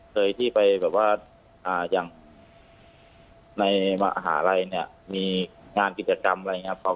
เคยที่ไปแบบว่าอย่างในมหาลัยเนี่ยมีงานกิจกรรมอะไรอย่างนี้ครับ